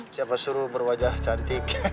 siapa suruh berwajah cantik